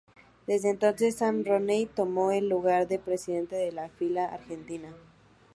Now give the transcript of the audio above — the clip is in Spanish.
Desde entonces, Sean Rooney tomó el lugar de presidente de la filial argentina.